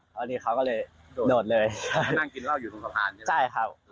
ตอนหนึ่งเขาก็เลยโดดเลย